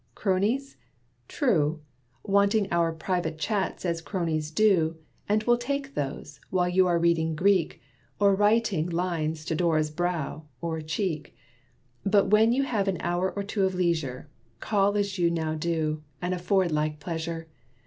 'Cronies?' True, Wanting our 'private chats' as cronies do And we'll take those, while you are reading Greek, Or writing 'Lines to Dora's brow' or 'cheek.' But when you have an hour or two of leisure, Call as you now do, and afford like pleasure.